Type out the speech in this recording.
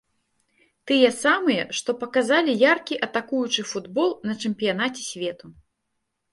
Тыя самыя, што паказалі яркі атакуючы футбол на чэмпіянаце свету.